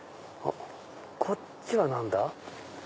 こっちは何だ？